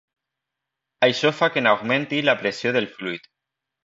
Això fa que n'augmenti la pressió del fluid.